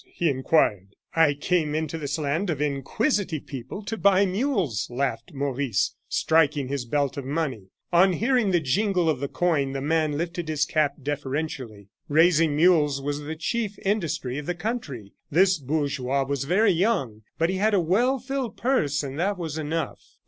he inquired. "I came into this land of inquisitive people to buy mules," laughed Maurice, striking his belt of money. On hearing the jingle of the coin the man lifted his cap deferentially. Raising mules was the chief industry of the country. This bourgeois was very young, but he had a well filled purse, and that was enough.